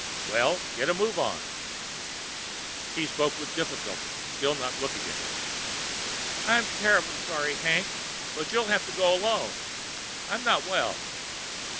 "Well, get a move on!" She spoke with difficulty, still not looking at him. "I'm terribly sorry, Hank, but you'll have to go alone. I'm not well."